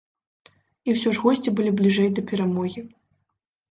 І ўсё ж госці былі бліжэй да перамогі.